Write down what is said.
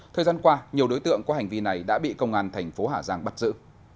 thời gian qua nhiều đối tượng có hành vi này đã bị công an thành phố hà giang bắt giữ